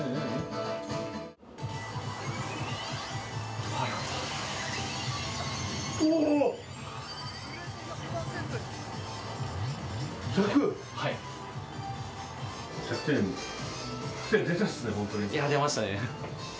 熊谷：いやー、出ましたね。